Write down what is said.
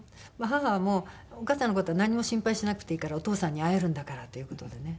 母はもう「お母さんの事はなんにも心配しなくていいからお父さんに会えるんだから」という事でね。